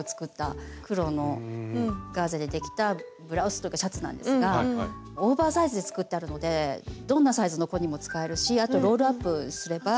黒のガーゼでできたブラウスというかシャツなんですがオーバーサイズで作ってあるのでどんなサイズの子にも使えるしあとロールアップすれば。